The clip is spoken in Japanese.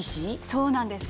そうなんです。